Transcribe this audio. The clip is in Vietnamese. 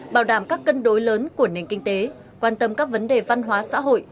bảo đảm các cân đối lớn của nền kinh tế quan tâm các vấn đề văn hóa xã hội